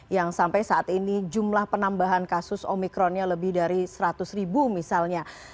yang sampai saat ini jumlah penambahan kasus omikronnya lebih dari seratus ribu misalnya